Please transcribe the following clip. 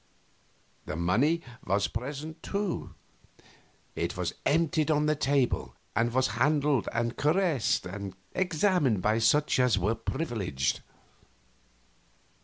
The money was present, too. It was emptied on the table, and was handled and caressed and examined by such as were privileged.